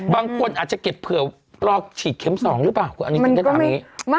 บางคนอาจจะเก็บเผื่อรอกฉีดเข็มสองหรือเปล่า